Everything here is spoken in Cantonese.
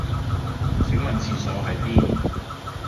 請問廁所喺邊？